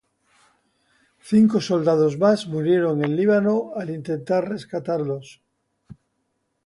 Cinco soldados más murieron en Líbano al intentar rescatarlos.